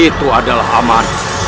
itu adalah amanah